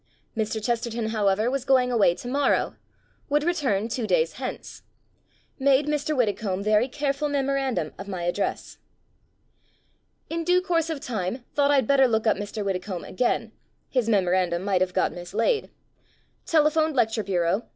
Mr. Chesterton, however, was going away tomorrow. Would return two days hence. Made, Mr. Widdecombe, very careful memorandum of my ad dress. In due course of time thought I'd better look up Mr. Widdecombe again — ^his memorandum might have got mislaid. Telephoned lecture bureau.